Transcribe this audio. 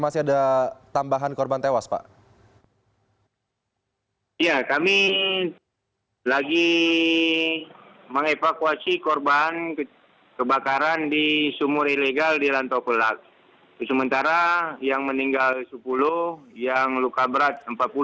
sementara yang meninggal sepuluh yang luka berat empat puluh